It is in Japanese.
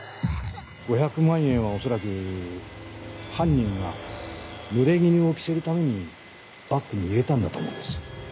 ５００万円は恐らく犯人がぬれぎぬを着せるためにバッグに入れたんだと思うんです。